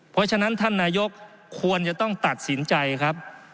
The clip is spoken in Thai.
เพราะฉะนั้นท่านนายกควรจะต้องตัดสินใจครับ